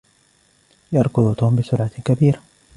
يركض توم بسرعة كبيرة.